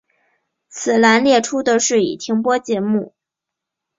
此栏列出的是已停播节目。